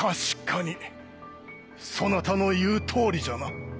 そなたの言うとおりじゃな。